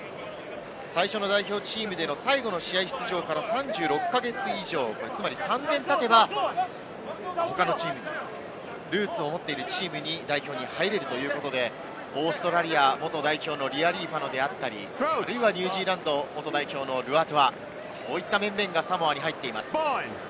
最初の代表チームでの最後の試合出場から３６か月以上、３年たてば他のチームにルーツを持っているチームに代表に入れるということで、オーストラリア元代表のリアリーファノであったり、ニュージーランド元代表のルアトゥア、こういった面々がサモアに入っています。